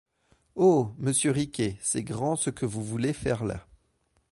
Oh ! monsieur Riquet, c'est grand ce que vous voulez faire là !